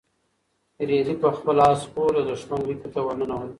رېدي په خپل اس سپور د دښمن لیکو ته ورننوت.